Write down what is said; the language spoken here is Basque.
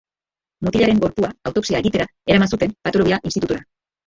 Mutilaren gorpua autopsia egitera eraman zuten Patologia Institutura.